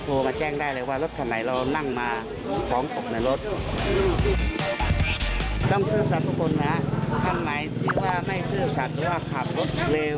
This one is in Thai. โทรมาแจ้งได้เลยว่ารถข้างไหนเรานั่งมาของตกในรถ